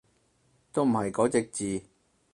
都唔係嗰隻字